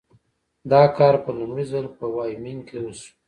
دا کار په لومړي ځل په وایومینګ کې وشو.